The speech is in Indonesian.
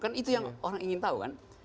kan itu yang orang ingin tahu kan